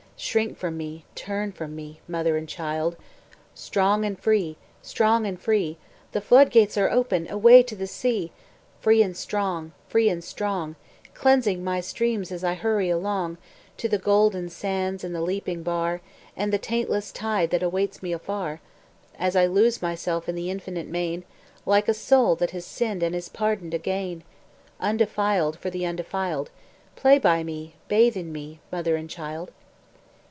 Shrink from me, turn from me, mother and child. Strong and free, strong and free, The flood gates are open, away to the sea; Free and strong, free and strong, Cleansing my streams as I hurry along To the golden sands, and the leaping bar, And the taintless tide that awaits me afar; As I lose myself in the infinite main, Like a soul that has sinned and is pardoned again. Undefiled, for the undefiled, Play by me, bathe in me, mother and child.